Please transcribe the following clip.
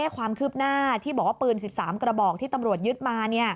ความคืบหน้าที่บอกว่าปืน๑๓กระบอกที่ตำรวจยึดมา